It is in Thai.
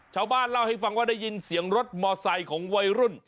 ชาวบ้านเล่าให้ฟังว่าได้ยินเสียงรถมอไซค์ของวัยรุ่น